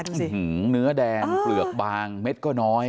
ดูสิเนนื้อแดงเปรือกบางเมตรก็น้อย